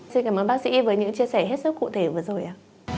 xin cảm ơn bác sĩ với những chia sẻ hết sức cụ thể vừa rồi ạ